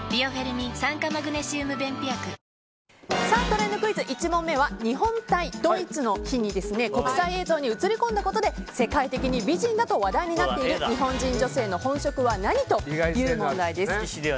トレンドクイズ、１問目は日本対ドイツの日に国際映像に映り込んだことで世界的に美人だと話題になっている日本人女性の本職は何？という問題です。